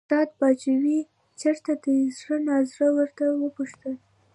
استاده! باجوړ چېرته دی، زړه نازړه ورته وپوښتل.